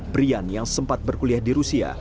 brian yang sempat berkuliah di rusia